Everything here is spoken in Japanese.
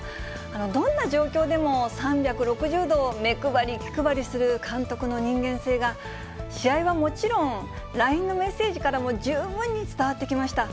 どんな状況でも３６０度、目配り、気配りする監督の人間性が、試合はもちろん、ＬＩＮＥのメッセージからも十分に伝わってきました。